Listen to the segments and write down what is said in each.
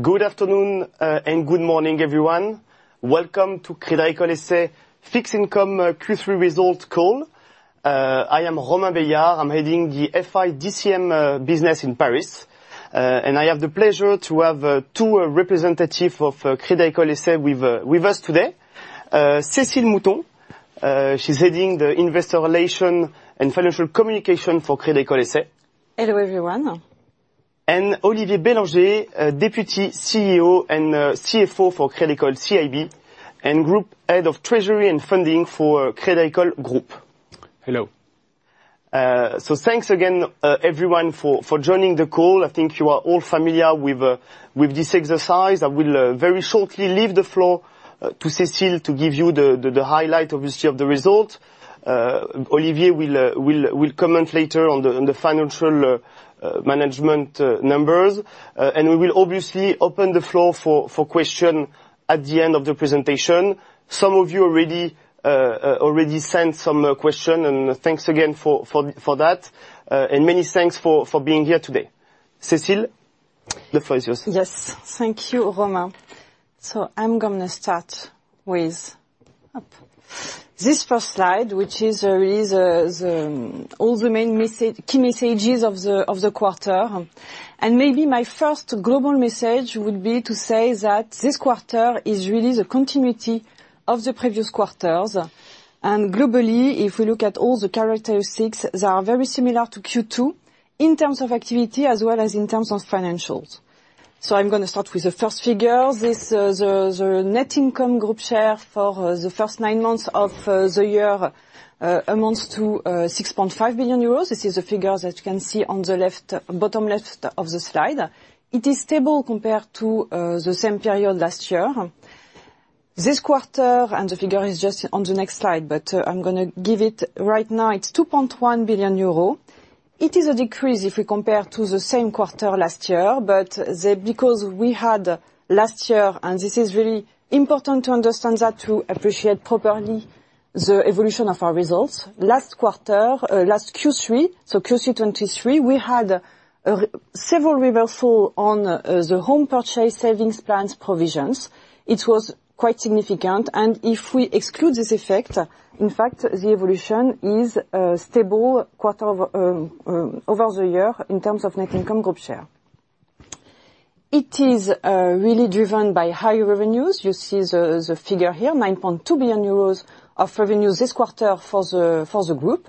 Good afternoon, and good morning, everyone. Welcome to Crédit Agricole S.A. Fixed Income Q3 Results Call. I am Romain Beillard. I'm heading the FIDCM business in Paris, and I have the pleasure to have two representatives of Crédit Agricole S.A. with us today. Cécile Mouton, she's heading the Investor Relations and Financial Communication for Crédit Agricole S.A. Hello, everyone. Olivier Bélorgey, Deputy CEO and CFO for Crédit Agricole CIB, and Group Head of Treasury and Funding for Crédit Agricole Group. Hello. So thanks again, everyone, for joining the call. I think you are all familiar with this exercise. I will very shortly leave the floor to Cécile to give you the highlight, obviously, of the results. Olivier will comment later on the financial management numbers, and we will obviously open the floor for questions at the end of the presentation. Some of you already sent some questions, and thanks again for that, and many thanks for being here today. Cécile, the floor is yours. Yes, thank you, Romain. So I'm going to start with this first slide, which is really all the main key messages of the quarter. And maybe my first global message would be to say that this quarter is really the continuity of the previous quarters. And globally, if we look at all the characteristics, they are very similar to Q2 in terms of activity as well as in terms of financials. So I'm going to start with the first figure. This is the net income group share for the first nine months of the year, amounts to 6.5 billion euros. This is the figure that you can see on the bottom left of the slide. It is stable compared to the same period last year. This quarter, and the figure is just on the next slide, but I'm going to give it right now, it's 2.1 billion euro. It is a decrease if we compare to the same quarter last year, but because we had last year, and this is really important to understand that to appreciate properly the evolution of our results. Last quarter, last Q3, so Q3 2023, we had several reversals on the home purchase savings plans provisions. It was quite significant, and if we exclude this effect, in fact, the evolution is stable over the year in terms of net income group share. It is really driven by high revenues. You see the figure here, 9.2 billion euros of revenues this quarter for the group.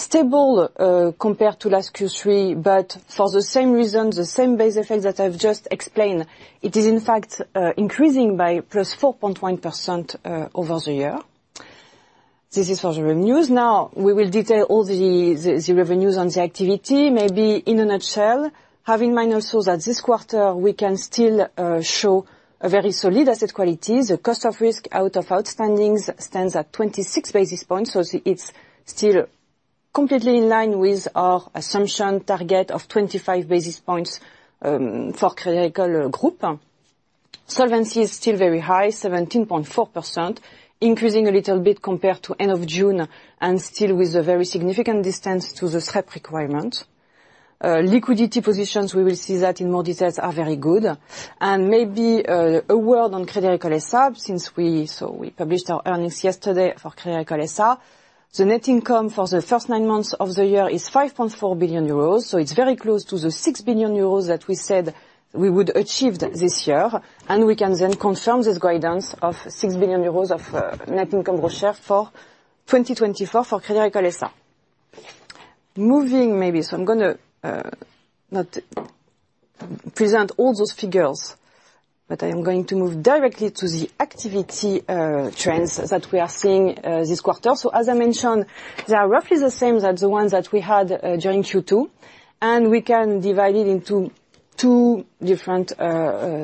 Stable compared to last Q3, but for the same reason, the same base effect that I've just explained, it is in fact increasing by +4.1% over-the-year. This is for the revenues. Now, we will detail all the revenues on the activity, maybe in a nutshell, having in mind also that this quarter we can still show a very solid asset quality. The cost of risk out of outstanding stands at 26 basis points, so it's still completely in line with our assumption target of 25 basis points for Crédit Agricole Group. Solvency is still very high, 17.4%, increasing a little bit compared to end of June, and still with a very significant distance to the SREP requirement. Liquidity positions, we will see that in more detail, are very good, and maybe a word on Crédit Agricole S.A., since we published our earnings yesterday for Crédit Agricole S.A. The net income for the first nine months of the year is 5.4 billion euros, so it's very close to the 6 billion euros that we said we would achieve this year, and we can then confirm this guidance of 6 billion euros of net income group share for 2024 for Crédit Agricole S.A. Moving maybe, so I'm going to not present all those figures, but I am going to move directly to the activity trends that we are seeing this quarter, so as I mentioned, they are roughly the same as the ones that we had during Q2, and we can divide it into two different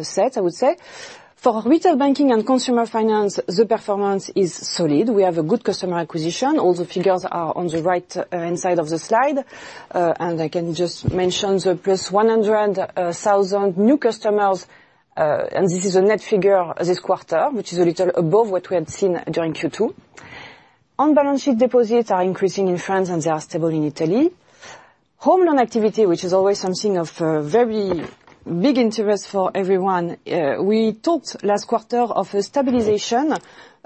sets, I would say. For retail banking and consumer finance, the performance is solid. We have a good customer acquisition. All the figures are on the right-hand side of the slide, and I can just mention the +100,000 new customers, and this is a net figure this quarter, which is a little above what we had seen during Q2. On-balance sheet deposits are increasing in France, and they are stable in Italy. Home loan activity, which is always something of very big interest for everyone. We talked last quarter of a stabilization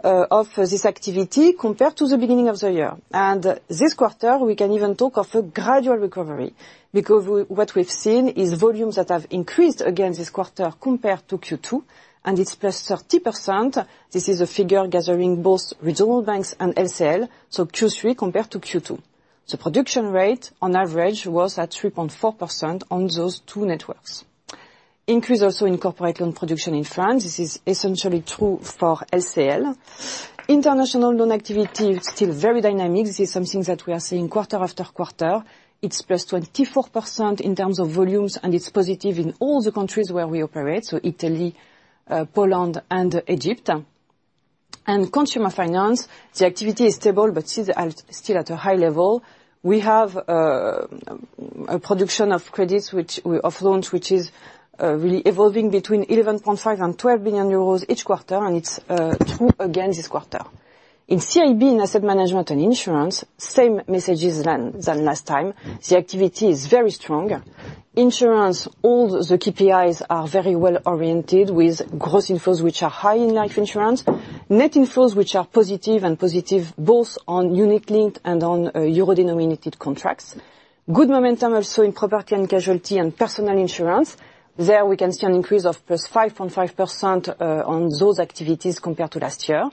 of this activity compared to the beginning of the year. And this quarter, we can even talk of a gradual recovery because what we've seen is volumes that have increased again this quarter compared to Q2, and it's +30%. This is a figure gathering both regional banks and LCL, so Q3 compared to Q2. The production rate, on average, was at 3.4% on those two networks. Increase also in corporate loan production in France. This is essentially true for LCL. International loan activity is still very dynamic. This is something that we are seeing quarter after quarter. It's +24% in terms of volumes, and it's positive in all the countries where we operate, so Italy, Poland, and Egypt, and consumer finance, the activity is stable, but still at a high level. We have a production of credits, which we have loans, which is really evolving between 11.5 billion and 12 billion euros each quarter, and it's true again this quarter. In CIB, in asset management and insurance, same messages than last time. The activity is very strong. Insurance, all the KPIs are very well oriented with gross inflows, which are high in life insurance, net inflows, which are positive and positive both on unit-linked and on euro-denominated contracts. Good momentum also in property and casualty and personal insurance. There, we can see an increase of +5.5% on those activities compared to last year.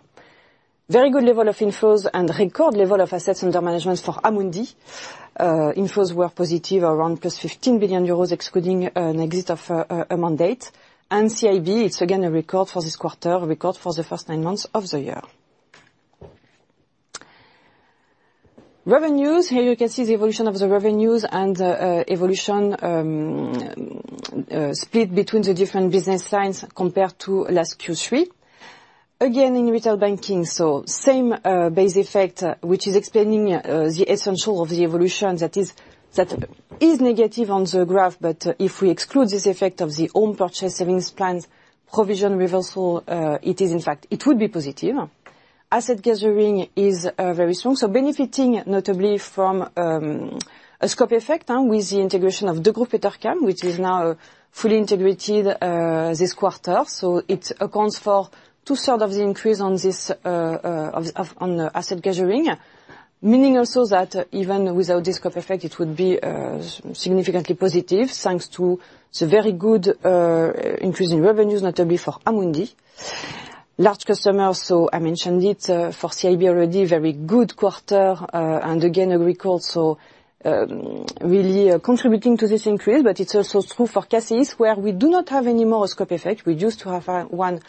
Very good level of inflows and record level of assets under management for Amundi. Inflows were positive around +15 billion euros, excluding an exit of a mandate. And CIB, it's again a record for this quarter, a record for the first nine months of the year. Revenues, here you can see the evolution of the revenues and evolution split between the different business lines compared to last Q3. Again, in retail banking, so same base effect, which is explaining the essential of the evolution that is negative on the graph, but if we exclude this effect of the home purchase savings plans provision reversal, it is in fact, it would be positive. Asset gathering is very strong, so benefiting notably from a scope effect with the integration of the Degroof Petercam, which is now fully integrated this quarter, so it accounts for two-thirds of the increase on asset gathering, meaning also that even without this scope effect, it would be significantly positive thanks to the very good increase in revenues, notably for Amundi. Large customers, so I mentioned it for CIB already, very good quarter, and again, Agricole also really contributing to this increase, but it's also true for CACEIS, where we do not have any more scope effect. We used to have one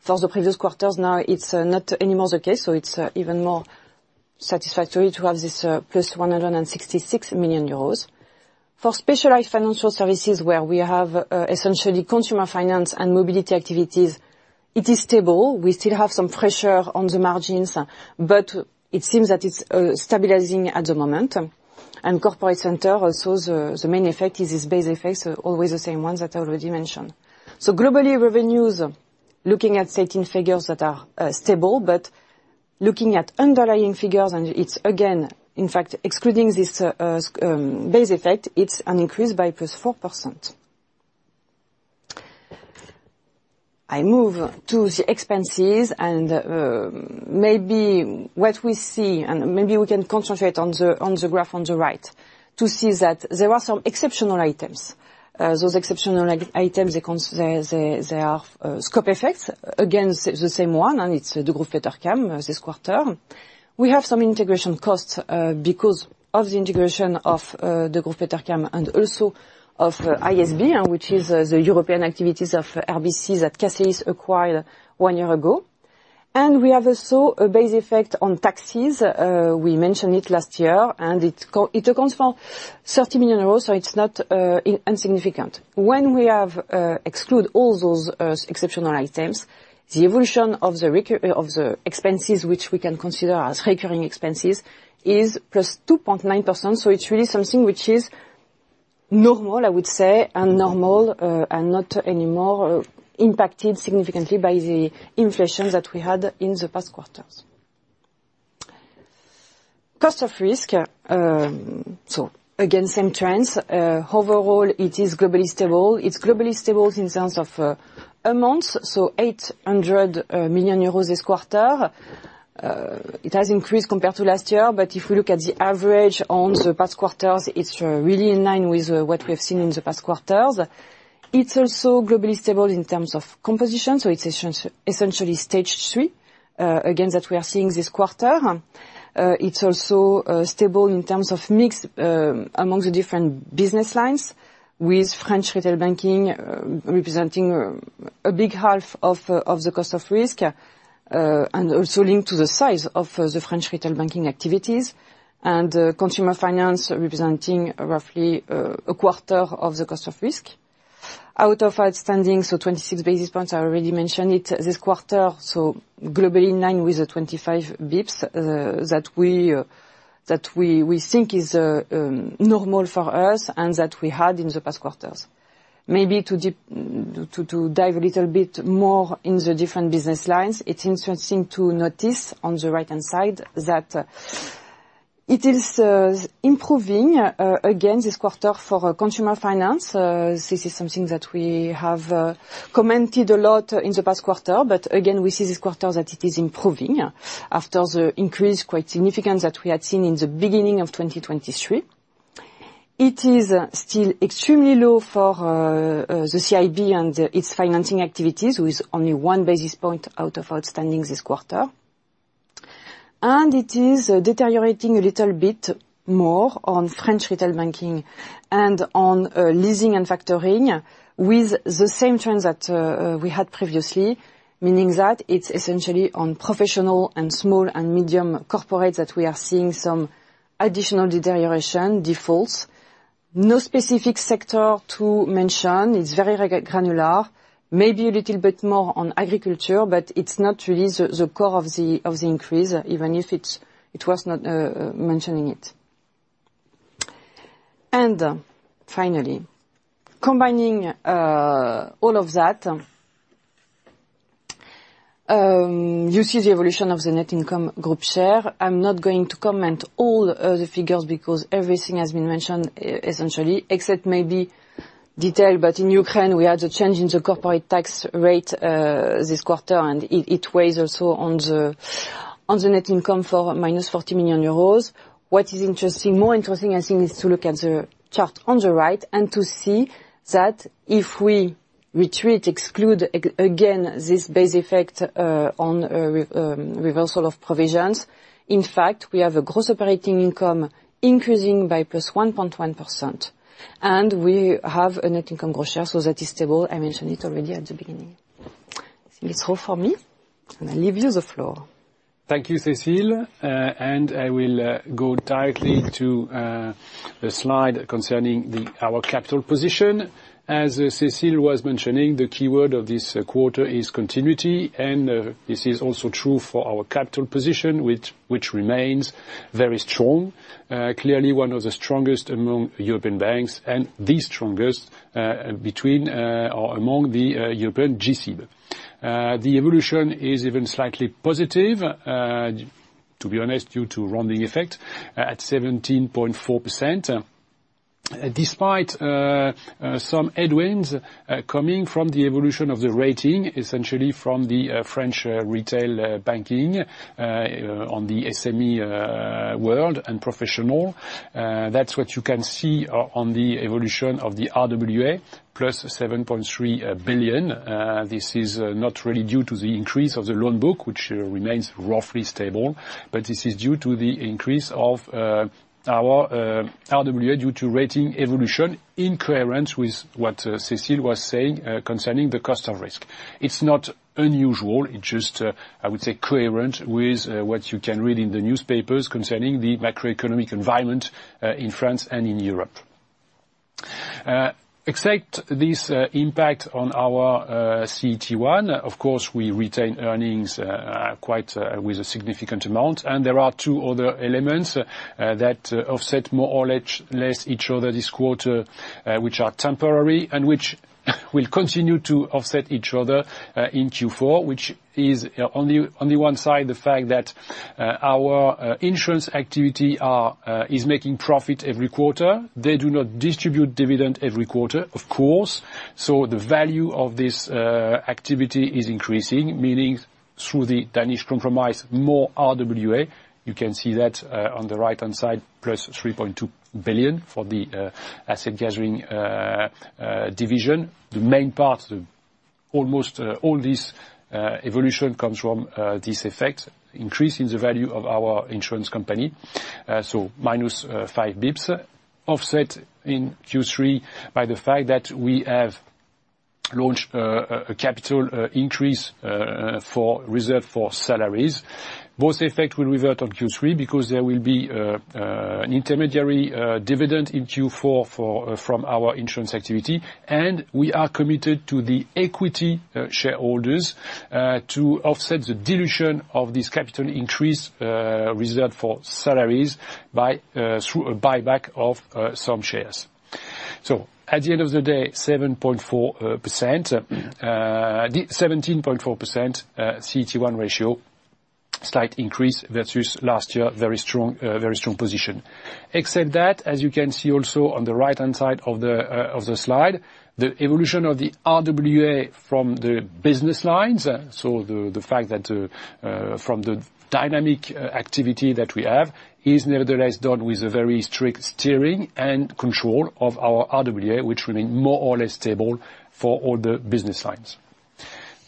for the previous quarters. Now, it's not anymore the case, so it's even more satisfactory to have this +166 million euros. For specialized financial services, where we have essentially consumer finance and mobility activities, it is stable. We still have some pressure on the margins, but it seems that it's stabilizing at the moment. And corporate center, so the main effect is this base effect, always the same ones that I already mentioned. So globally, revenues, looking at stated figures that are stable, but looking at underlying figures, and it's again, in fact, excluding this base effect, it's an increase by 4%. I move to the expenses, and maybe what we see, and maybe we can concentrate on the graph on the right to see that there are some exceptional items. Those exceptional items, they are scope effects, again, the same one, and it's the Degroof Petercam this quarter. We have some integration costs because of the integration of the Degroof Petercam and also of ISB, which is the European activities of RBC that CACEIS acquired one year ago. We have also a base effect on taxes. We mentioned it last year, and it accounts for 30 million euros, so it's not insignificant. When we exclude all those exceptional items, the evolution of the expenses, which we can consider as recurring expenses, is +2.9%. So it's really something which is normal, I would say, and normal and not anymore impacted significantly by the inflation that we had in the past quarters. Cost of risk, so again, same trends. Overall, it is globally stable. It's globally stable in terms of amounts, so 800 million euros this quarter. It has increased compared to last year, but if we look at the average on the past quarters, it's really in line with what we have seen in the past quarters. It's also globally stable in terms of composition, so it's essentially stage three, again, that we are seeing this quarter. It's also stable in terms of mix among the different business lines, with French retail banking representing a big half of the cost of risk and also linked to the size of the French retail banking activities, and consumer finance representing roughly a quarter of the cost of risk. Out of outstanding, so 26 basis points, I already mentioned it this quarter, so globally in line with the 25 basis points that we think is normal for us and that we had in the past quarters. Maybe to dive a little bit more in the different business lines, it's interesting to notice on the right-hand side that it is improving again this quarter for consumer finance. This is something that we have commented a lot in the past quarter, but again, we see this quarter that it is improving after the increase quite significant that we had seen in the beginning of 2023. It is still extremely low for the CIB and its financing activities, with only one basis point out of outstanding this quarter, and it is deteriorating a little bit more on French retail banking and on leasing and factoring, with the same trends that we had previously, meaning that it's essentially on professional and small and medium corporates that we are seeing some additional deterioration, defaults. No specific sector to mention. It's very granular. Maybe a little bit more on agriculture, but it's not really the core of the increase, even if it was not mentioning it, and finally, combining all of that, you see the evolution of the net income group share. I'm not going to comment on all the figures because everything has been mentioned essentially, except maybe detail, but in Ukraine, we had a change in the corporate tax rate this quarter, and it weighs also on the net income for minus 40 million euros. What is interesting, more interesting, I think, is to look at the chart on the right and to see that if we exclude again this base effect on reversal of provisions, in fact, we have a gross operating income increasing by +1.1%, and we have a net income group share, so that is stable. I mentioned it already at the beginning. It's all for me, and I leave you the floor. Thank you, Cécile. And I will go directly to the slide concerning our capital position. As Cécile was mentioning, the keyword of this quarter is continuity, and this is also true for our capital position, which remains very strong, clearly one of the strongest among European banks and the strongest among the European G-SIB. The evolution is even slightly positive, to be honest, due to rounding effect at 17.4%. Despite some headwinds coming from the evolution of the rating, essentially from the French retail banking on the SME world and professional, that's what you can see on the evolution of the RWA, +7.3 billion. This is not really due to the increase of the loan book, which remains roughly stable, but this is due to the increase of our RWA due to rating evolution in coherence with what Cécile was saying concerning the cost of risk. It's not unusual. It's just, I would say, coherent with what you can read in the newspapers concerning the macroeconomic environment in France and in Europe. Except this impact on our CET1, of course, we retain earnings quite with a significant amount, and there are two other elements that offset more or less each other this quarter, which are temporary and which will continue to offset each other in Q4, which is on the one side the fact that our insurance activity is making profit every quarter. They do not distribute dividend every quarter, of course. So the value of this activity is increasing, meaning through the Danish Compromise, more RWA. You can see that on the right-hand side, +3.2 billion for the asset gathering division. The main part, almost all this evolution comes from this effect, increase in the value of our insurance company, so minus five basis points, offset in Q3 by the fact that we have launched a capital increase for reserve for salaries. Both effects will revert on Q3 because there will be an intermediary dividend in Q4 from our insurance activity, and we are committed to the equity shareholders to offset the dilution of this capital increase reserved for salaries through a buyback of some shares. So at the end of the day, 17.4% CET1 ratio, slight increase versus last year, very strong position. Except that, as you can see also on the right-hand side of the slide, the evolution of the RWA from the business lines, so the fact that from the dynamic activity that we have is nevertheless done with a very strict steering and control of our RWA, which remains more or less stable for all the business lines.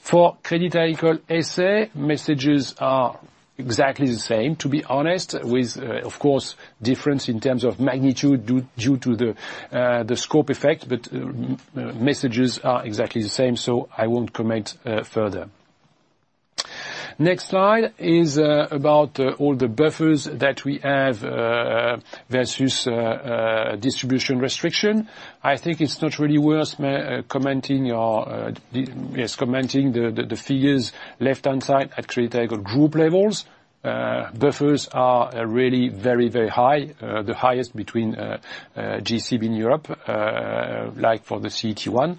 For Crédit Agricole S.A., messages are exactly the same, to be honest, with, of course, difference in terms of magnitude due to the scope effect, but messages are exactly the same, so I won't comment further. Next slide is about all the buffers that we have versus distribution restriction. I think it's not really worth commenting the figures left-hand side at Crédit Agricole Group levels. Buffers are really very, very high, the highest between CIBs in Europe, like for the CET1.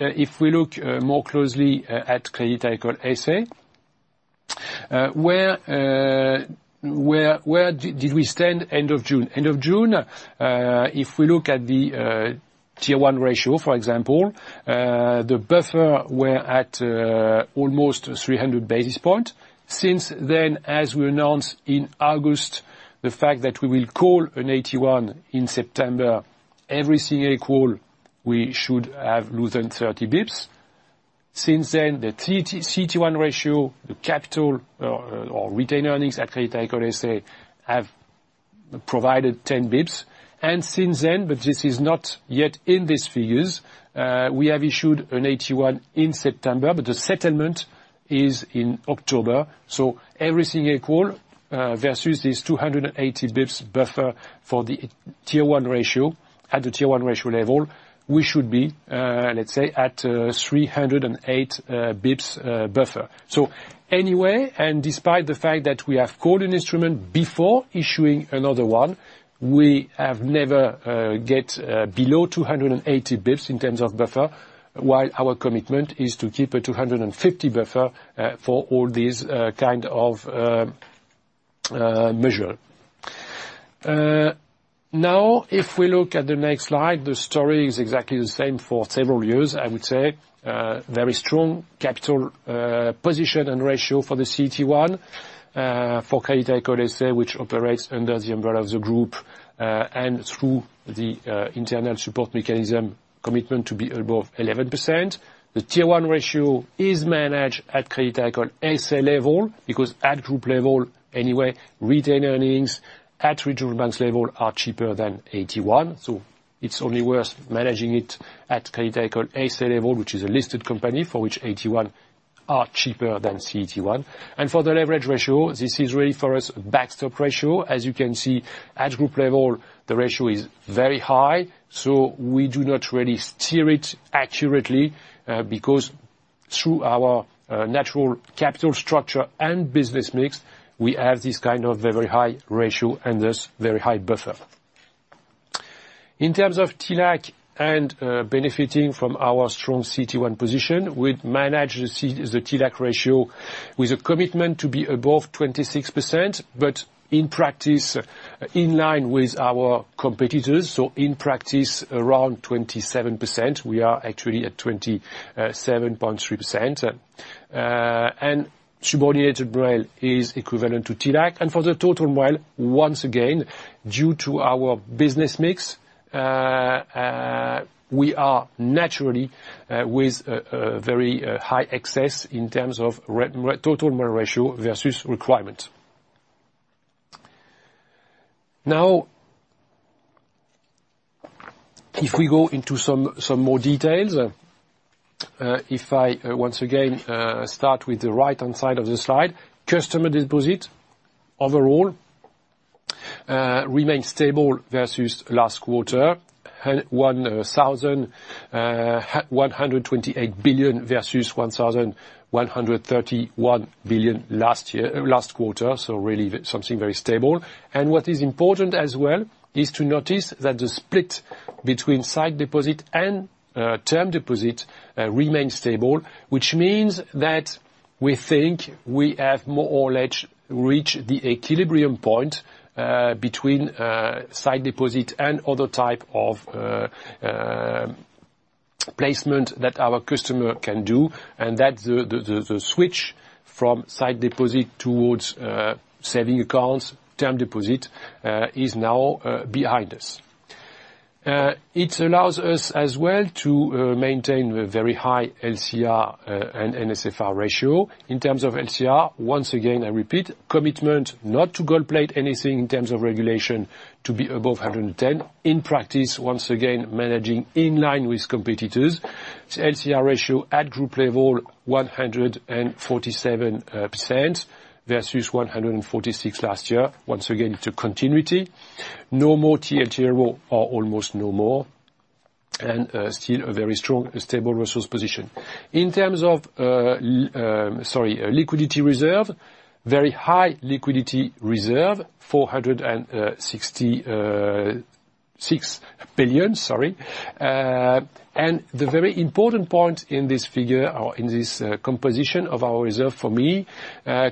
If we look more closely at Crédit Agricole S.A., where did we stand end of June? End of June, if we look at the Tier 1 ratio, for example, the buffer were at almost 300 basis points. Since then, as we announced in August, the fact that we will call an AT1 in September, every single call we should have less than 30 basis points. Since then, the CET1 ratio, the capital or retained earnings at Crédit Agricole S.A. have provided 10 basis points. And since then, but this is not yet in these figures, we have issued an AT1 in September, but the settlement is in October. So every single call versus this 280 basis points buffer for the Tier 1 ratio at the Tier 1 ratio level, we should be, let's say, at 308 basis points buffer. So anyway, and despite the fact that we have called an instrument before issuing another one, we have never got below 280 basis points in terms of buffer, while our commitment is to keep a 250 buffer for all these kind of measures. Now, if we look at the next slide, the story is exactly the same for several years, I would say. Very strong capital position and ratio for the CET1 for Crédit Agricole S.A., which operates under the umbrella of the group and through the internal support mechanism commitment to be above 11%. The Tier 1 ratio is managed at Crédit Agricole S.A. level because at group level, anyway, retained earnings at regional banks level are cheaper than AT1. So it's only worth managing it at Crédit Agricole S.A. level, which is a listed company for which AT1 are cheaper than CET1. For the leverage ratio, this is really for us a backstop ratio. As you can see, at group level, the ratio is very high, so we do not really steer it accurately because through our natural capital structure and business mix, we have this kind of very high ratio and thus very high buffer. In terms of TLAC and benefiting from our strong CET1 position, we manage the TLAC ratio with a commitment to be above 26%, but in practice, in line with our competitors, so in practice, around 27%. We are actually at 27.3%. And subordinated MREL is equivalent to TLAC. And for the total MREL, once again, due to our business mix, we are naturally with a very high excess in terms of total MREL ratio versus requirement. Now, if we go into some more details, if I once again start with the right-hand side of the slide, customer deposits overall remain stable versus last quarter, 1,128 billion versus 1,131 billion last quarter, so really something very stable. What is important as well is to notice that the split between sight deposits and term deposits remains stable, which means that we think we have more or less reached the equilibrium point between sight deposits and other types of placements that our customers can do, and that the switch from sight deposits towards savings accounts and term deposits is now behind us. It allows us as well to maintain a very high LCR and NSFR ratio. In terms of LCR, once again, I repeat, commitment not to gold plate anything in terms of regulation to be above 110%. In practice, once again, managing in line with competitors. LCR ratio at group level, 147% versus 146% last year. Once again, it's a continuity. No more TLTRO or almost no more, and still a very strong, stable resource position. In terms of, sorry, liquidity reserve, very high liquidity reserve, 466 billion, sorry. And the very important point in this figure or in this composition of our reserve for me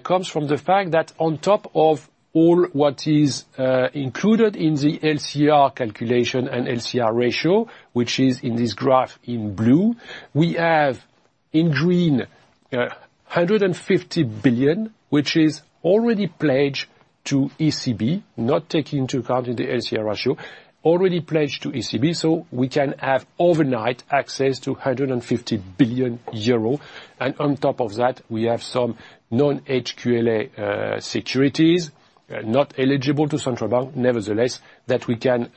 comes from the fact that on top of all what is included in the LCR calculation and LCR ratio, which is in this graph in blue, we have in green 150 billion, which is already pledged to ECB, not taking into account the LCR ratio, already pledged to ECB, so we can have overnight access to 150 billion euro. And on top of that, we have some non-HQLA securities, not eligible to central bank, nevertheless, that we can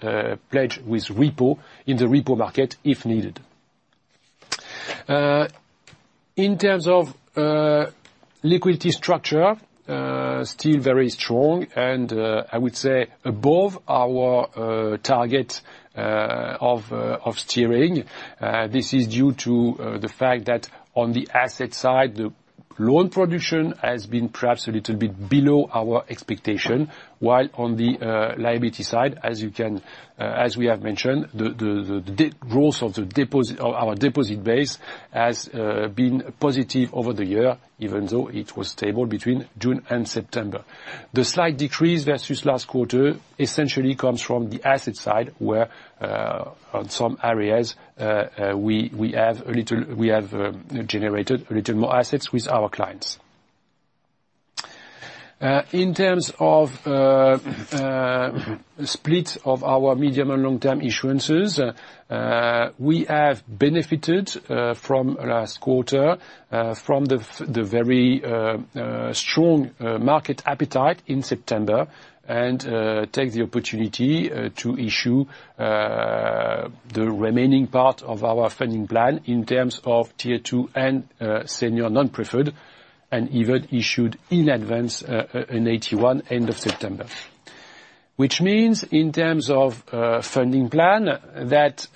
pledge with repo in the repo market if needed. In terms of liquidity structure, still very strong, and I would say above our steering target. This is due to the fact that on the asset side, the loan production has been perhaps a little bit below our expectation, while on the liability side, as we have mentioned, the growth of our deposit base has been positive over the year, even though it was stable between June and September. The slight decrease versus last quarter essentially comes from the asset side, where on some areas, we have generated a little more assets with our clients. In terms of split of our medium and long-term issuances, we have benefited from last quarter from the very strong market appetite in September and take the opportunity to issue the remaining part of our funding plan in terms of Tier 2 and senior non-preferred, and even issued in advance an AT1 end of September, which means in terms of funding plan that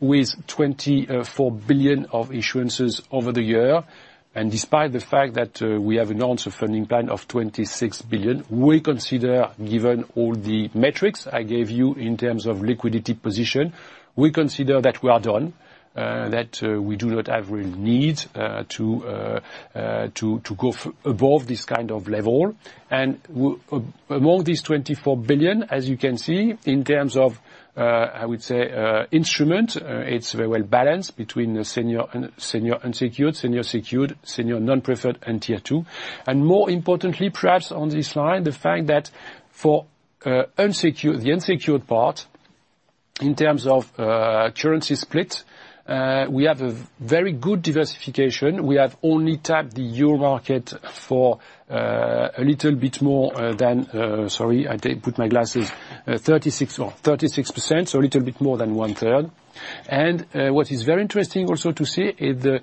with 24 billion of issuances over the year, and despite the fact that we have announced a funding plan of 26 billion, we consider, given all the metrics I gave you in terms of liquidity position, we consider that we are done, that we do not have real need to go above this kind of level. And among these 24 billion, as you can see, in terms of, I would say, instruments, it's very well balanced between the senior unsecured, senior secured, senior non-preferred, and Tier 2. More importantly, perhaps on this line, the fact that for the unsecured part, in terms of currency split, we have a very good diversification. We have only tapped the euro market for a little bit more than, sorry, I put my glasses, 36%, so a little bit more than one-third. What is very interesting also to see is the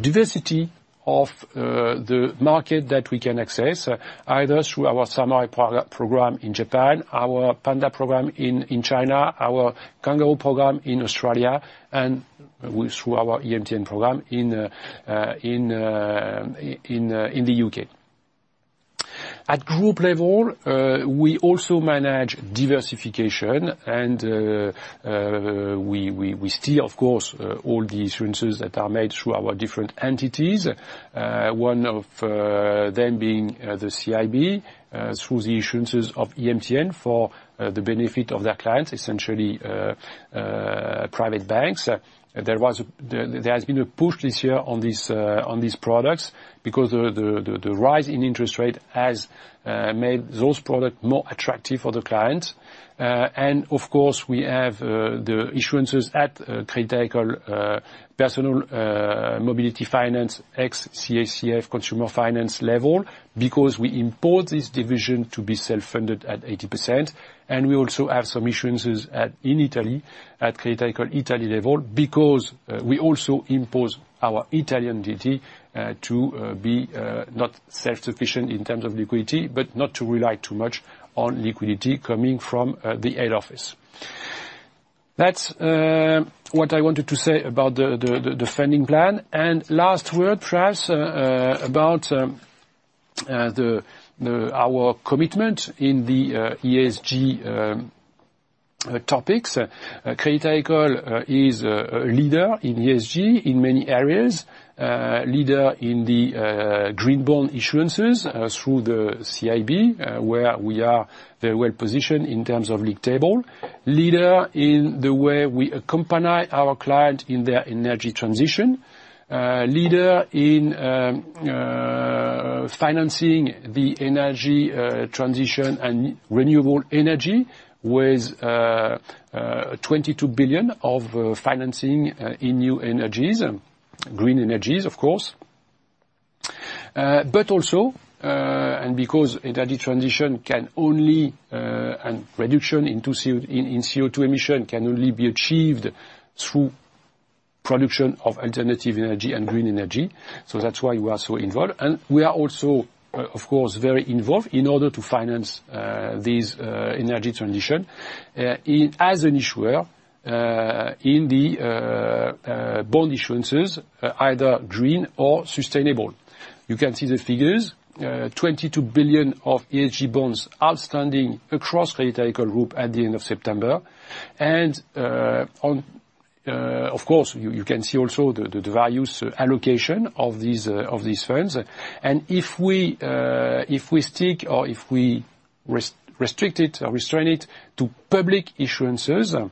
diversity of the market that we can access either through our Samurai program in Japan, our Panda program in China, our Kangaroo program in Australia, and through our EMTN program in the U.K. At group level, we also manage diversification, and we steer, of course, all the issuances that are made through our different entities, one of them being the CIB through the issuances of EMTN for the benefit of their clients, essentially private banks. There has been a push this year on these products because the rise in interest rate has made those products more attractive for the clients. And of course, we have the insurances at Crédit Agricole Personal & Mobility Finance, ex-CACF consumer finance level, because we impose this division to be self-funded at 80%. And we also have some insurances in Italy at Crédit Agricole Italy level because we also impose our Italian entity to be not self-sufficient in terms of liquidity, but not to rely too much on liquidity coming from the head office. That's what I wanted to say about the funding plan. And last word, perhaps, about our commitment in the ESG topics. Crédit Agricole is a leader in ESG in many areas, leader in the green bond issuances through the CIB, where we are very well positioned in terms of league table, leader in the way we accompany our clients in their energy transition, leader in financing the energy transition and renewable energy with 22 billion of financing in new energies, green energies, of course. But also, and because energy transition can only, and reduction in CO2 emission can only be achieved through production of alternative energy and green energy. That's why we are so involved. We are also, of course, very involved in order to finance this energy transition as an issuer in the bond issuances, either green or sustainable. You can see the figures, 22 billion of ESG bonds outstanding across Crédit Agricole Group at the end of September. Of course, you can see also the asset allocation of these funds. If we stick or if we restrict it or restrain it to public issuances,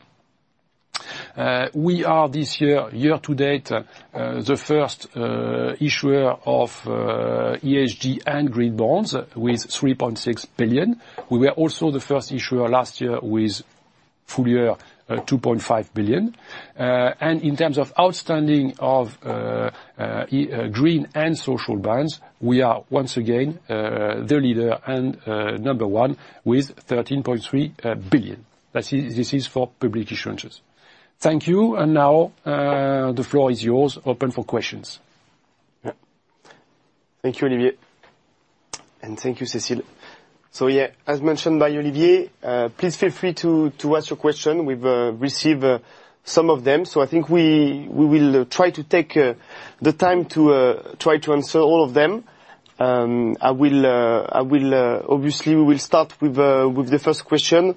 we are this year, year to date, the first issuer of ESG and green bonds with 3.6 billion. We were also the first issuer last year with full year, 2.5 billion. In terms of outstanding of green and social bonds, we are once again the leader and number one with 13.3 billion. This is for public issuances. Thank you. Now the floor is yours, open for questions. Thank you, Olivier. Thank you, Cécile. As mentioned by Olivier, please feel free to ask your question. We have received some of them. I think we will try to take the time to try to answer all of them. Obviously, we will start with the first question.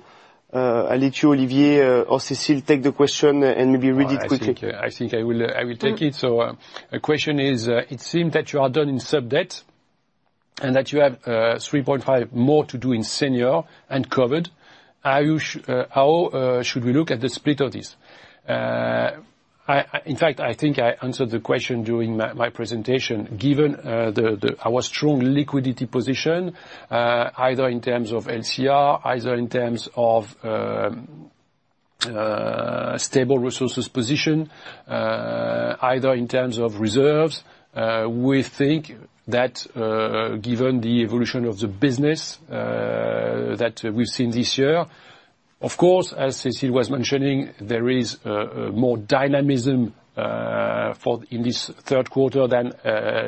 I'll let you, Olivier or Cécile, take the question and maybe read it quickly. I think I will take it. So the question is, it seems that you are done in sub-debt and that you have 3.5 more to do in senior and covered. How should we look at the split of this? In fact, I think I answered the question during my presentation, given our strong liquidity position, either in terms of LCR, either in terms of stable resources position, either in terms of reserves. We think that given the evolution of the business that we've seen this year, of course, as Cécile was mentioning, there is more dynamism in this third quarter than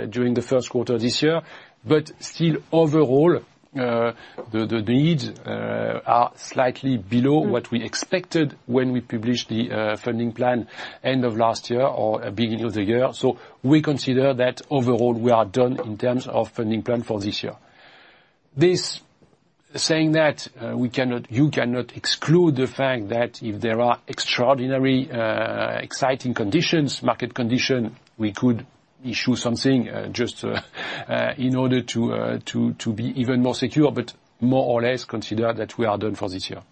during the first quarter this year. But still, overall, the needs are slightly below what we expected when we published the funding plan end of last year or beginning of the year. We consider that overall we are done in terms of funding plan for this year. Saying that, you cannot exclude the fact that if there are extraordinarily exciting market conditions, we could issue something just in order to be even more secure, but more or less consider that we are done for this year.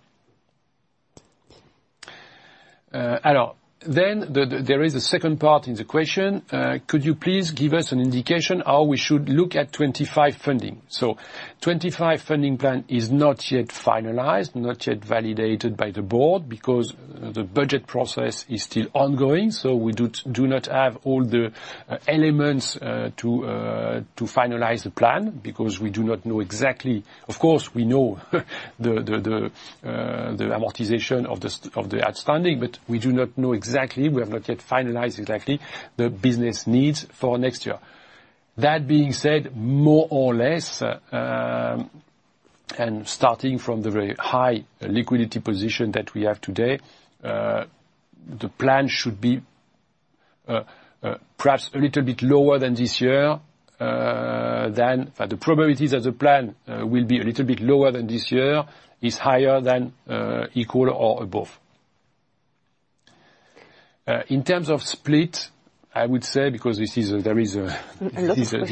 Then there is a second part in the question. Could you please give us an indication how we should look at 2025 funding? So 2025 funding plan is not yet finalized, not yet validated by the board because the budget process is still ongoing. So we do not have all the elements to finalize the plan because we do not know exactly. Of course, we know the amortization of the outstanding, but we do not know exactly. We have not yet finalized exactly the business needs for next year. That being said, more or less, and starting from the very high liquidity position that we have today, the plan should be perhaps a little bit lower than this year. The probability that the plan will be a little bit lower than this year is higher than equal or above. In terms of split, I would say, because there is a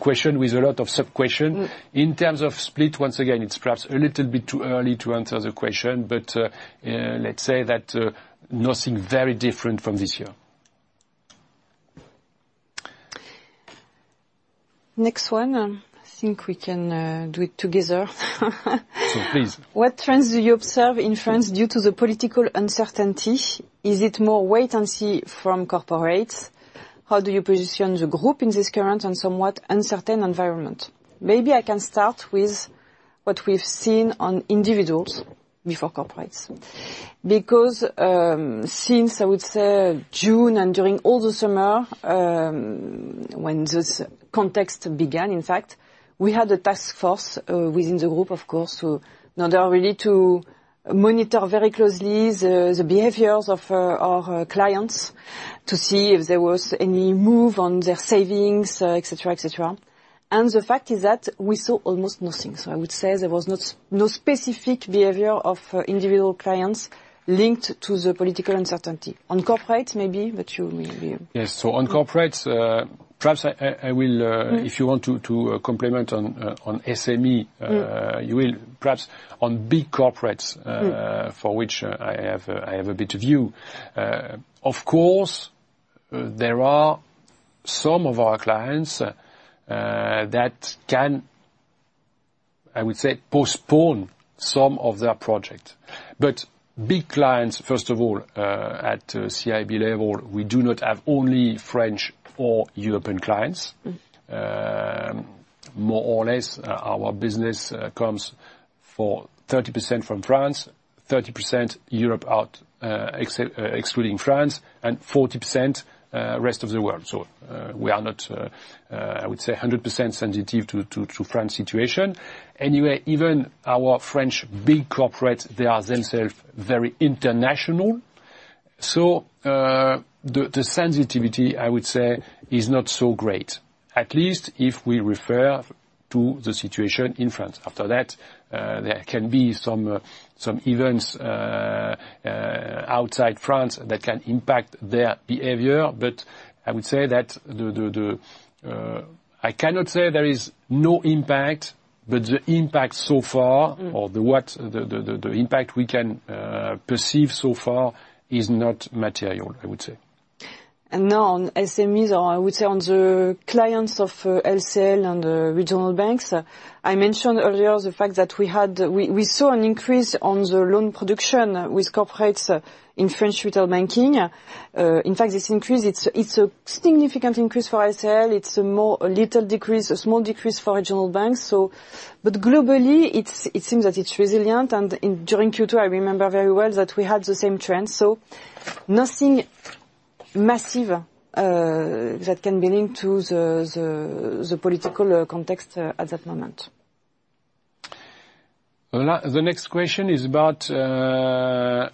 question with a lot of sub-questions. In terms of split, once again, it's perhaps a little bit too early to answer the question, but let's say that nothing very different from this year. Next one. I think we can do it together. So please. What trends do you observe in France due to the political uncertainty? Is it more wait and see from corporates? How do you position the group in this current and somewhat uncertain environment? Maybe I can start with what we've seen on individuals before corporates. Because since, I would say, June and during all the summer when this context began, in fact, we had a task force within the group, of course, to monitor very closely the behaviors of our clients to see if there was any move on their savings, etc., etc. And the fact is that we saw almost nothing. So I would say there was no specific behavior of individual clients linked to the political uncertainty. On corporates, maybe, but you maybe. Yes. So on corporates, perhaps I will, if you want to complement on SME, you will perhaps on big corporates for which I have a bit of view. Of course, there are some of our clients that can, I would say, postpone some of their projects. But big clients, first of all, at CIB level, we do not have only French or European clients. More or less, our business comes for 30% from France, 30% Europe out, excluding France, and 40% rest of the world. So we are not, I would say, 100% sensitive to France situation. Anyway, even our French big corporates, they are themselves very international. So the sensitivity, I would say, is not so great, at least if we refer to the situation in France. After that, there can be some events outside France that can impact their behavior. But I would say that I cannot say there is no impact, but the impact so far, or the impact we can perceive so far is not material, I would say. And now on SMEs, or I would say on the clients of LCL and regional banks, I mentioned earlier the fact that we saw an increase on the loan production with corporates in French retail banking. In fact, this increase; it's a significant increase for LCL. It's a small decrease for regional banks, but globally, it seems that it's resilient. And during Q2, I remember very well that we had the same trend. So nothing massive that can be linked to the political context at that moment. The next question is about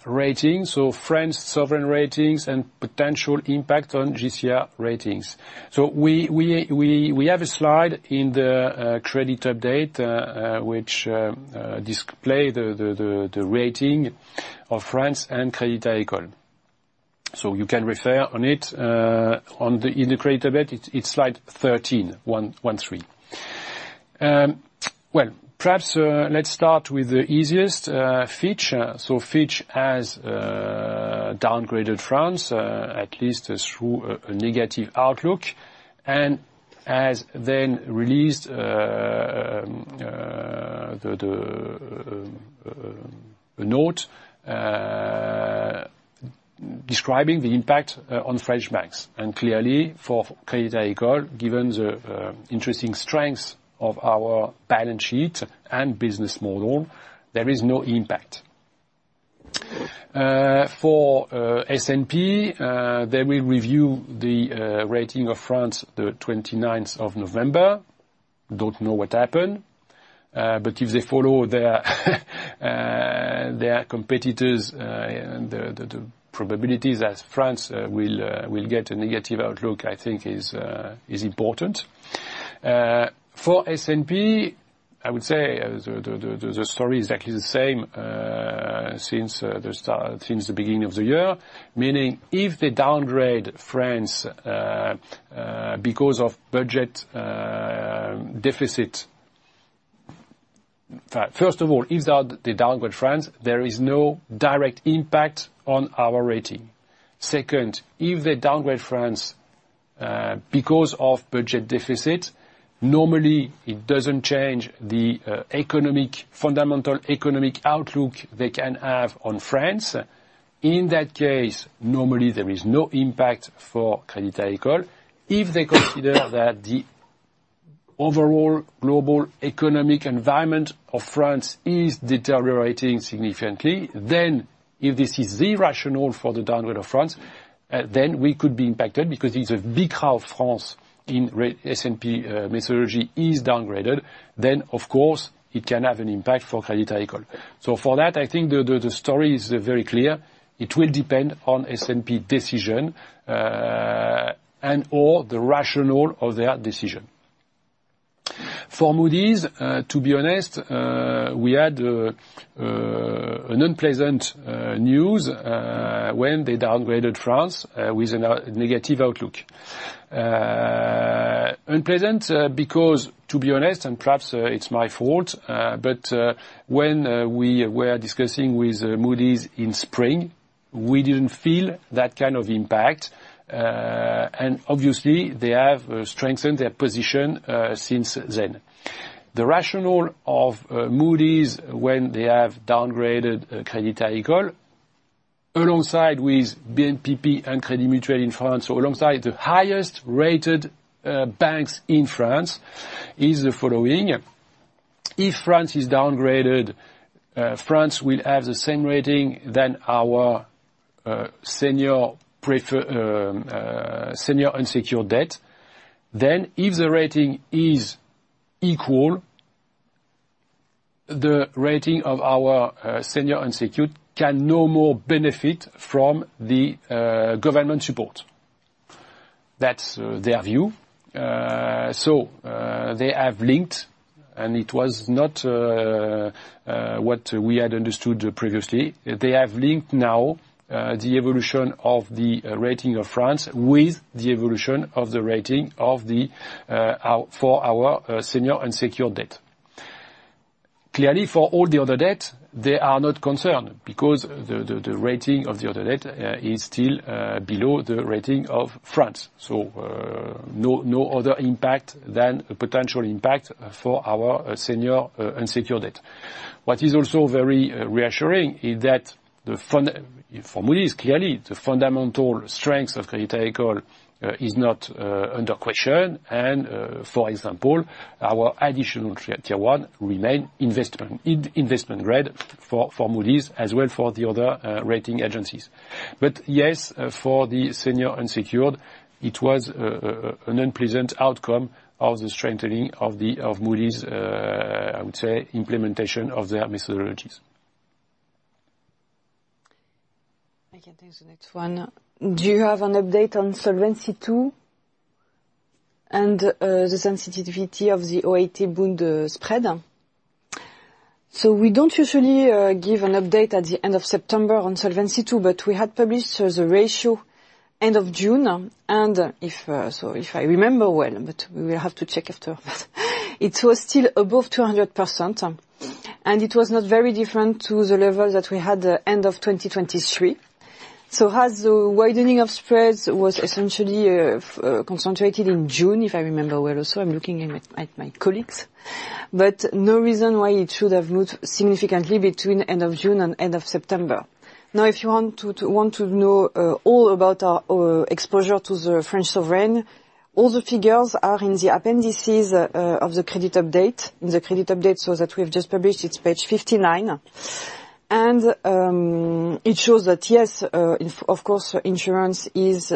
ratings. So French sovereign ratings and potential impact on GCR ratings. So we have a slide in the credit update which displays the rating of France and Crédit Agricole. So you can refer to it in the credit update. It's Slide 13, 1.3. Well, perhaps let's start with the easiest Fitch. So Fitch has downgraded France, at least through a negative outlook, and has then released a note describing the impact on French banks. And clearly, for Crédit Agricole, given the interesting strengths of our balance sheet and business model, there is no impact. For S&P, they will review the rating of France the 29th of November. Don't know what happened. But if they follow their competitors, the probabilities that France will get a negative outlook, I think, is important. For S&P, I would say the story is exactly the same since the beginning of the year, meaning if they downgrade France because of budget deficit. First of all, if they downgrade France, there is no direct impact on our rating. Second, if they downgrade France because of budget deficit, normally it doesn't change the fundamental economic outlook they can have on France. In that case, normally there is no impact for Crédit Agricole. If they consider that the overall global economic environment of France is deteriorating significantly, then if this is the rationale for the downgrade of France, then we could be impacted because if the big crowd of France in S&P methodology is downgraded, then of course, it can have an impact for Crédit Agricole, so for that, I think the story is very clear. It will depend on S&P decision and/or the rationale of their decision. For Moody's, to be honest, we had an unpleasant news when they downgraded France with a negative outlook. Unpleasant because, to be honest, and perhaps it's my fault, but when we were discussing with Moody's in spring, we didn't feel that kind of impact, and obviously, they have strengthened their position since then. The rationale of Moody's when they have downgraded Crédit Agricole alongside with BNPP and Crédit Mutuel in France, so alongside the highest rated banks in France, is the following. If France is downgraded, France will have the same rating than our senior unsecured debt. Then if the rating is equal, the rating of our senior unsecured can no more benefit from the government support. That's their view. So they have linked, and it was not what we had understood previously. They have linked now the evolution of the rating of France with the evolution of the rating for our senior unsecured debt. Clearly, for all the other debts, they are not concerned because the rating of the other debt is still below the rating of France. So no other impact than a potential impact for our senior unsecured debt. What is also very reassuring is that for Moody's, clearly, the fundamental strength of Crédit Agricole is not under question. And for example, our additional tier one remained investment grade for Moody's as well for the other rating agencies. But yes, for the senior unsecured, it was an unpleasant outcome of the strengthening of Moody's, I would say, implementation of their methodologies. I can take the next one. Do you have an update on Solvency II and the sensitivity of the OAT bond spread? We don't usually give an update at the end of September on Solvency II, but we had published the ratio end of June. And if I remember well, but we will have to check after that. It was still above 200%, and it was not very different to the level that we had end of 2023. As the widening of spreads was essentially concentrated in June, if I remember well also. I'm looking at my colleagues, but no reason why it should have moved significantly between end of June and end of September. Now, if you want to know all about our exposure to the French sovereign, all the figures are in the appendices of the credit update. The credit update that we have just published, it's Page 59 and it shows that, yes, of course, insurance is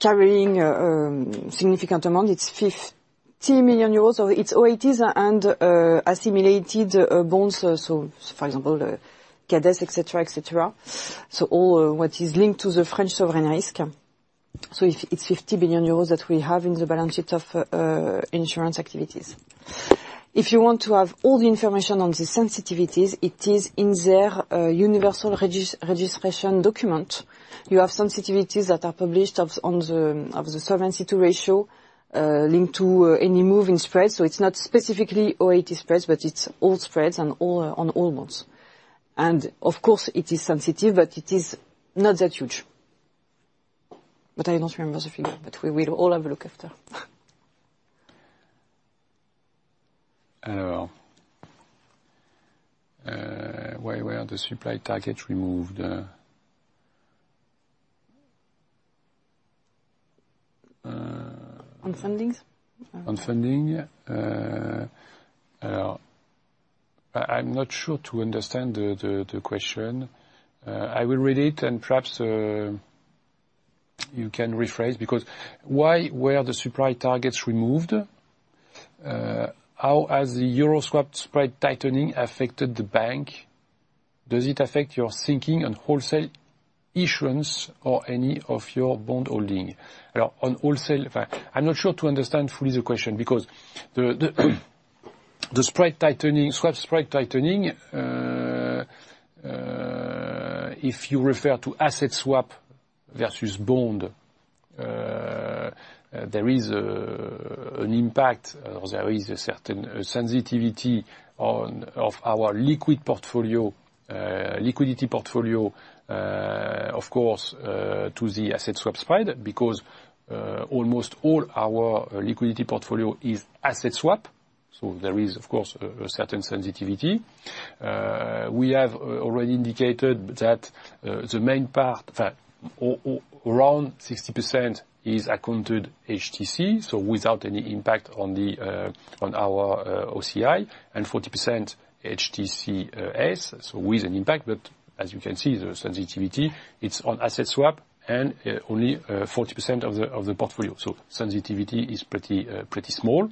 carrying significant amount. It's 50 million euros, so it's OATs and assimilated bonds, so for example, CADES, etc., etc. All what is linked to the French sovereign risk. It's 50 billion euros that we have in the balance sheet of insurance activities. If you want to have all the information on the sensitivities, it is in their universal registration document. You have sensitivities that are published on the Solvency II ratio linked to any move in spreads. So it's not specifically OAT spreads, but it's all spreads on all bonds. Of course, it is sensitive, but it is not that huge. I don't remember the figure, but we will all have a look after. Where are the supply targets removed? On funding? On funding. I'm not sure to understand the question. I will read it, and perhaps you can rephrase because why were the supply targets removed? How has the euro swap spread tightening affected the bank? Does it affect your thinking on wholesale issuance or any of your bond holding? On wholesale, I'm not sure to understand fully the question because the swap spread tightening, if you refer to asset swap versus bond, there is an impact. There is a certain sensitivity of our liquidity portfolio, of course, to the asset swap spread because almost all our liquidity portfolio is asset swap. So there is, of course, a certain sensitivity. We have already indicated that the main part, around 60%, is accounted HTC, so without any impact on our OCI, and 40% HTCS, so with an impact. But as you can see, the sensitivity, it's on asset swap and only 40% of the portfolio. So sensitivity is pretty small.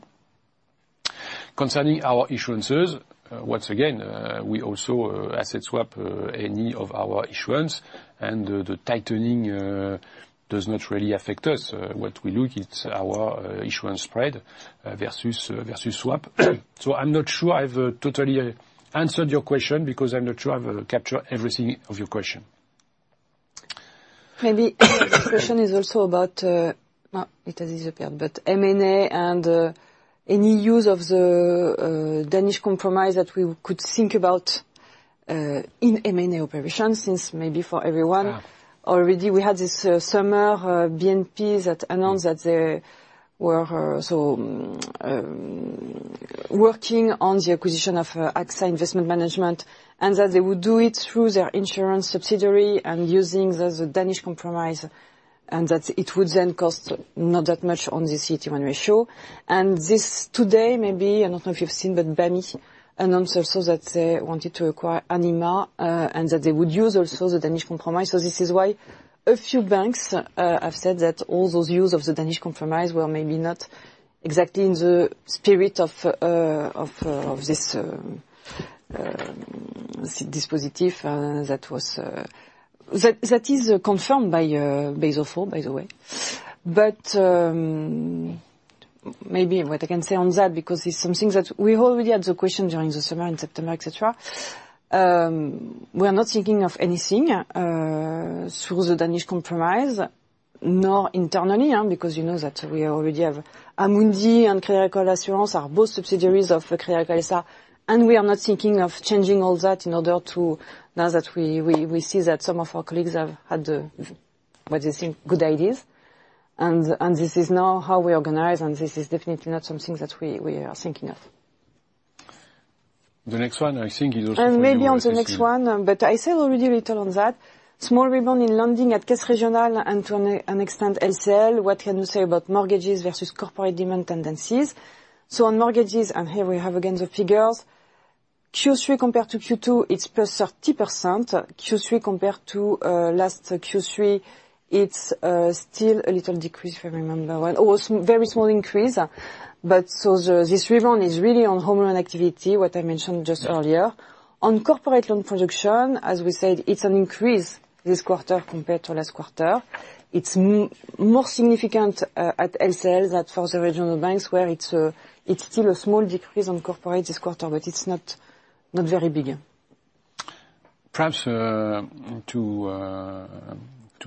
Concerning our issuances, once again, we also asset swap any of our issuance, and the tightening does not really affect us. What we look at is our issuance spread versus swap. So I'm not sure I've totally answered your question because I'm not sure I've captured everything of your question. Maybe the question is also about it has disappeared, but M&A and any use of the Danish Compromise that we could think about in M&A operations since maybe for everyone already. We had this summer BNP that announced that they were working on the acquisition of AXA Investment Management and that they would do it through their insurance subsidiary and using the Danish Compromise, and that it would then cost not that much on the CET1 ratio, and this today, maybe, I don't know if you've seen, but BAMI announced also that they wanted to acquire Anima and that they would use also the Danish Compromise, so this is why a few banks have said that all those use of the Danish Compromise were maybe not exactly in the spirit of this dispositif that is confirmed by Basel IV, by the way. But maybe what I can say on that, because it's something that we already had the question during the summer in September, etc. We are not thinking of anything through the Danish Compromise, nor internally, because you know that we already have Amundi and Crédit Agricole Assurances are both subsidiaries of Crédit Agricole S.A., and we are not thinking of changing all that in order to. Now that we see that some of our colleagues have had what they think good ideas, and this is now how we organize, and this is definitely not something that we are thinking of. The next one, I think it was and maybe on the next one, but I said already a little on that. Small rebound in lending at Caisse Régionale and to an extent LCL. What can you say about mortgages versus corporate demand tendencies? So on mortgages, and here we have again the figures. Q3 compared to Q2, it's +30%. Q3 compared to last Q3, it's still a little decrease, if I remember well. It was a very small increase. But so this rebound is really on home loan activity, what I mentioned just earlier. On corporate loan production, as we said, it's an increase this quarter compared to last quarter. It's more significant at LCL than for the regional banks, where it's still a small decrease on corporate this quarter, but it's not very big. Perhaps to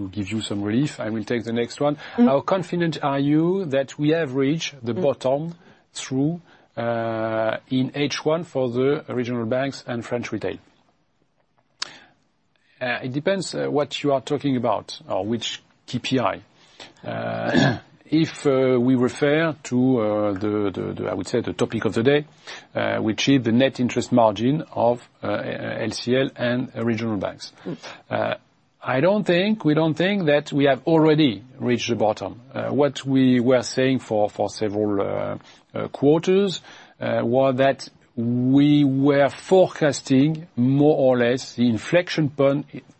give you some context, I will take the next one. How confident are you that we have reached the bottom trough in H1 for the regional banks and French retail? It depends what you are talking about or which KPI. If we refer to, I would say, the topic of the day, which is the net interest margin of LCL and regional banks, I don't think that we have already reached the bottom. What we were saying for several quarters was that we were forecasting more or less the inflection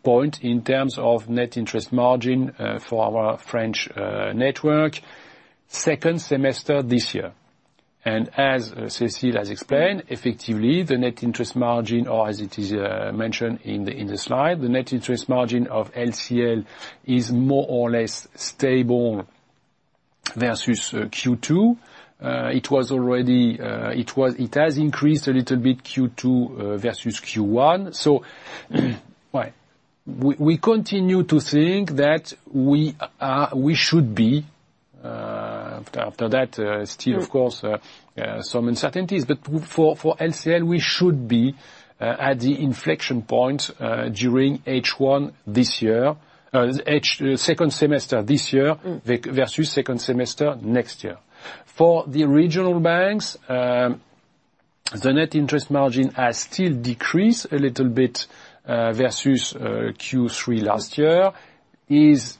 point in terms of net interest margin for our French network second semester this year. As Cécile has explained, effectively, the net interest margin, or as it is mentioned in the slide, the net interest margin of LCL is more or less stable versus Q2. It has increased a little bit Q2 versus Q1. So we continue to think that we should be, after that, still, of course, some uncertainties, but for LCL, we should be at the inflection point during H1 this year, second semester this year versus second semester next year. For the regional banks, the net interest margin has still decreased a little bit versus Q3 last year, is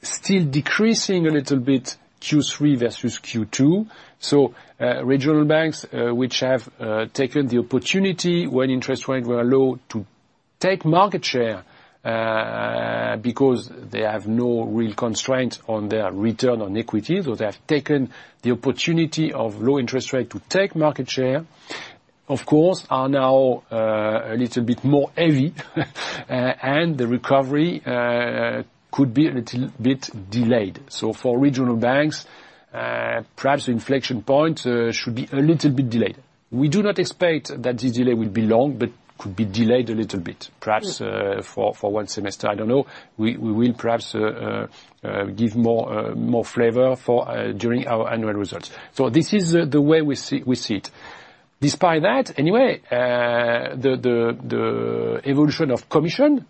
still decreasing a little bit Q3 versus Q2. So regional banks, which have taken the opportunity when interest rates were low to take market share because they have no real constraint on their return on equities, or they have taken the opportunity of low interest rate to take market share, of course, are now a little bit more heavy, and the recovery could be a little bit delayed. So for regional banks, perhaps the inflection point should be a little bit delayed. We do not expect that this delay will be long, but could be delayed a little bit, perhaps for one semester. I don't know. We will perhaps give more flavor during our annual results. So this is the way we see it. Despite that, anyway, the evolution of commission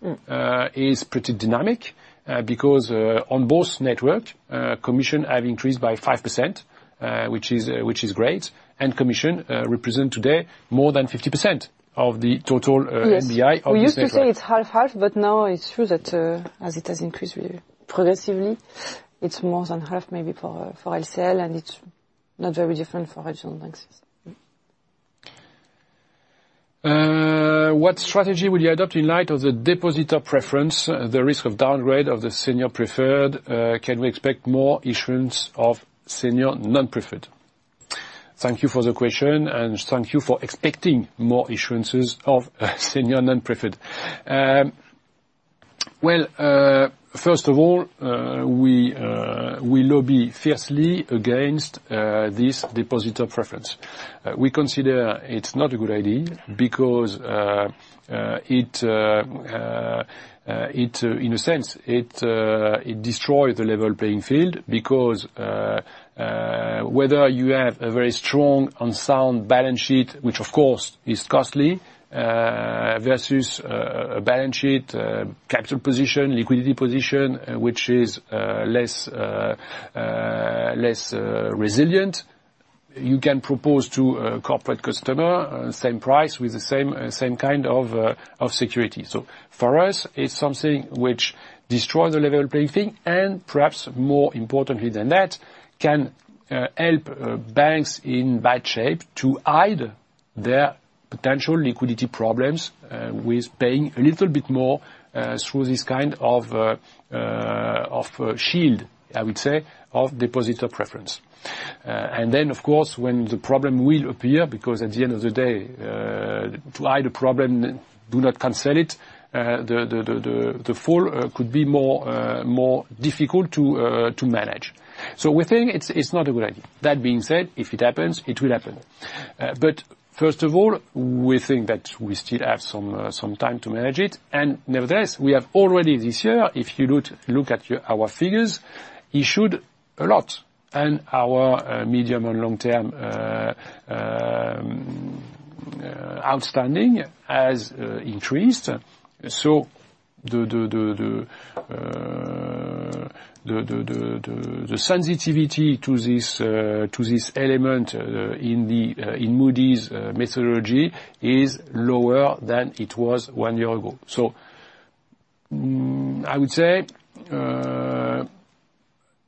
is pretty dynamic because on both networks, commission has increased by 5%, which is great, and commission represents today more than 50% of the total NBI of the region. Yes. We used to say it's half-half, but now it's true that as it has increased progressively, it's more than half maybe for LCL, and it's not very different for regional banks. What strategy will you adopt in light of the depositor preference, the risk of downgrade of the senior preferred? Can we expect more issuance of senior non-preferred? Thank you for the question, and thank you for expecting more issuances of senior non-preferred. Well, first of all, we lobby fiercely against this depositor preference. We consider it's not a good idea because it, in a sense, destroys the level playing field because whether you have a very strong and sound balance sheet, which of course is costly, versus a balance sheet, capital position, liquidity position, which is less resilient, you can propose to a corporate customer the same price with the same kind of security. So for us, it's something which destroys the level playing field and perhaps more importantly than that, can help banks in bad shape to hide their potential liquidity problems with paying a little bit more through this kind of shield, I would say, of depositor preference. And then, of course, when the problem will appear, because at the end of the day, to hide a problem, do not cancel it, the fall could be more difficult to manage. So we think it's not a good idea. That being said, if it happens, it will happen. But first of all, we think that we still have some time to manage it. And nevertheless, we have already this year, if you look at our figures, issued a lot, and our medium and long-term outstanding has increased. So the sensitivity to this element in Moody's methodology is lower than it was one year ago. So I would say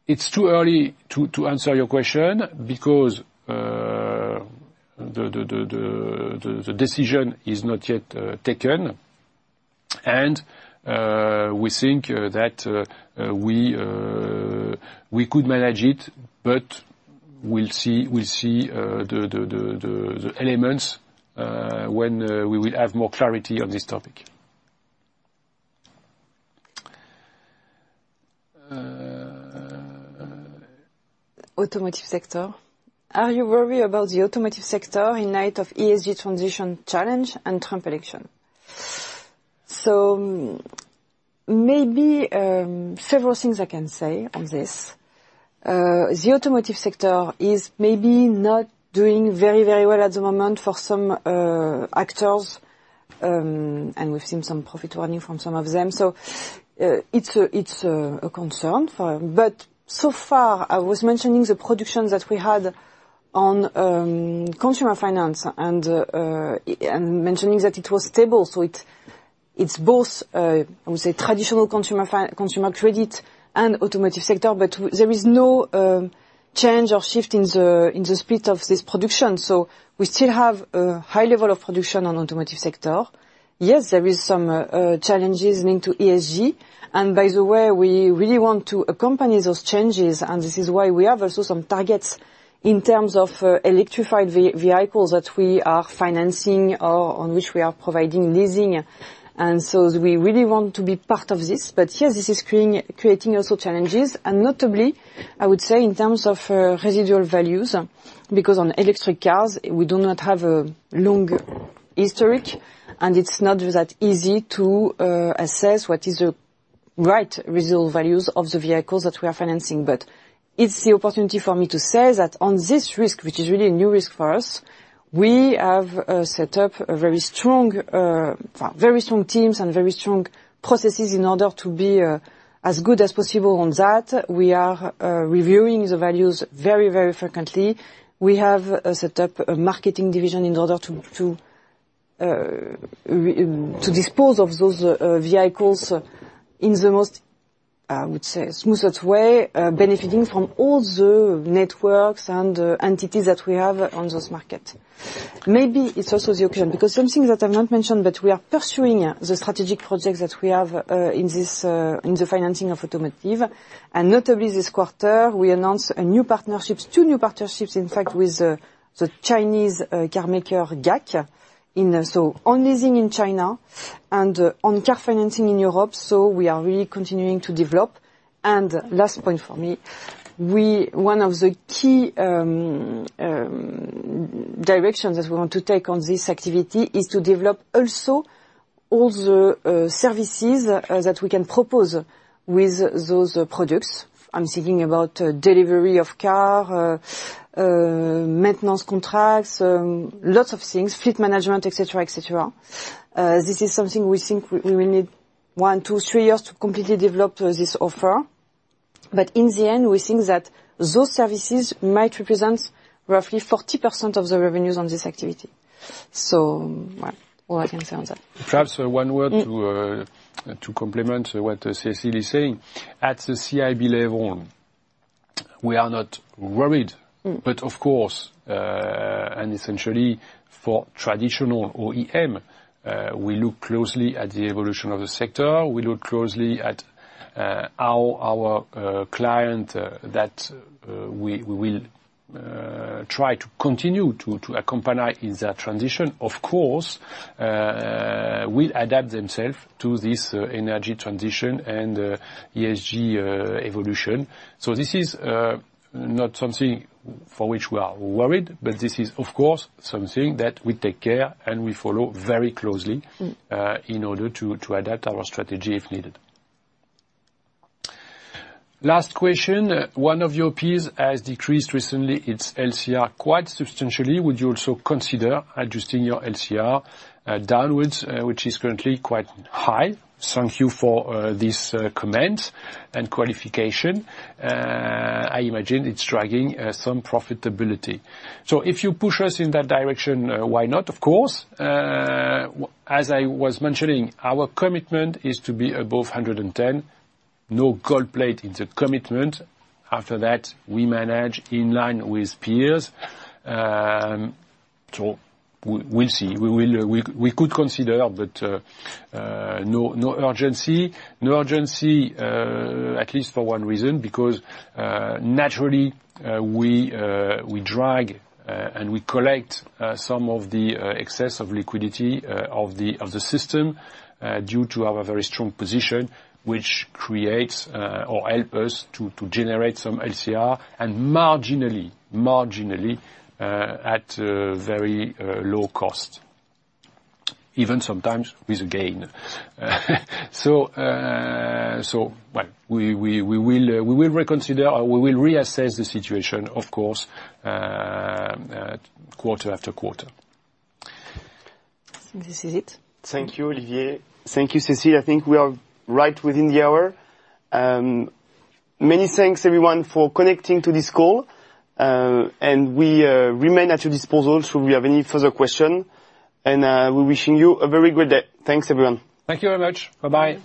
it's too early to answer your question because the decision is not yet taken, and we think that we could manage it, but we'll see the elements when we will have more clarity on this topic. Automotive sector. Are you worried about the automotive sector in light of ESG transition challenge and Trump election? So maybe several things I can say on this. The automotive sector is maybe not doing very, very well at the moment for some actors, and we've seen some profit warning from some of them. So it's a concern. But so far, I was mentioning the productions that we had on consumer finance and mentioning that it was stable. So it's both, I would say, traditional consumer credit and automotive sector, but there is no change or shift in the speed of this production. So we still have a high level of production on the automotive sector. Yes, there are some challenges linked to ESG. And by the way, we really want to accompany those changes, and this is why we have also some targets in terms of electrified vehicles that we are financing or on which we are providing leasing. And so we really want to be part of this. But yes, this is creating also challenges, and notably, I would say, in terms of residual values, because on electric cars, we do not have a long history, and it's not that easy to assess what is the right residual values of the vehicles that we are financing. But it's the opportunity for me to say that on this risk, which is really a new risk for us, we have set up a very strong teams and very strong processes in order to be as good as possible on that. We are reviewing the values very, very frequently. We have set up a marketing division in order to dispose of those vehicles in the most, I would say, smoothest way, benefiting from all the networks and entities that we have on those markets. Maybe it's also the occasion because something that I've not mentioned, but we are pursuing the strategic projects that we have in the financing of automotive. And notably, this quarter, we announced two new partnerships, in fact, with the Chinese carmaker GAC, so on leasing in China and on car financing in Europe. So we are really continuing to develop. And last point for me, one of the key directions that we want to take on this activity is to develop also all the services that we can propose with those products. I'm thinking about delivery of car, maintenance contracts, lots of things, fleet management, etc., etc. This is something we think we will need one, two, three years to completely develop this offer. But in the end, we think that those services might represent roughly 40% of the revenues on this activity. So all I can say on that. Perhaps one word to complement what Cécile is saying. At the CIB level, we are not worried, but of course, and essentially for traditional OEM, we look closely at the evolution of the sector. We look closely at our client that we will try to continue to accompany in that transition. Of course, we'll adapt themselves to this energy transition and ESG evolution. So this is not something for which we are worried, but this is, of course, something that we take care and we follow very closely in order to adapt our strategy if needed. Last question. One of your peers has decreased recently its LCR quite substantially. Would you also consider adjusting your LCR downwards, which is currently quite high? Thank you for this comment and qualification. I imagine it's dragging some profitability. So if you push us in that direction, why not? Of course. As I was mentioning, our commitment is to be above 110. No gold plating the commitment. After that, we manage in line with peers. So we'll see. We could consider, but no urgency. No urgency, at least for one reason, because naturally, we drag and we collect some of the excess of liquidity of the system due to our very strong position, which creates or helps us to generate some LCR and marginally, marginally at very low cost, even sometimes with a gain. So we will reconsider or we will reassess the situation, of course, quarter after quarter. This is it. Thank you, Olivier. Thank you, Cécile. I think we are right within the hour. Many thanks, everyone, for connecting to this call. And we remain at your disposal should we have any further questions. And we're wishing you a very good day. Thanks, everyone. Thank you very much. Bye-bye.